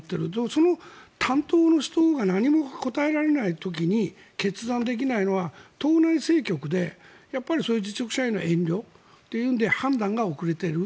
その担当の人が何も答えられない時に決断できないのは党内政局でやっぱりそういう実力者への遠慮というので判断が遅れている。